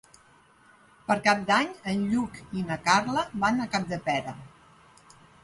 Per Cap d'Any en Lluc i na Carla van a Capdepera.